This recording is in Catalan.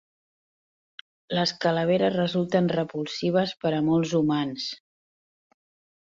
Les calaveres resulten repulsives per a molts humans.